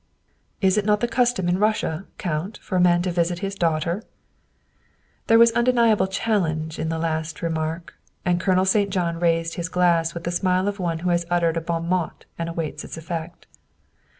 " Is it not the custom in Russia, Count, for a man to visit his daughter?" There was undeniable challenge in the last remark, and Colonel St. John raised his glass with the smile of one who has uttered a bon mot and awaits its effect.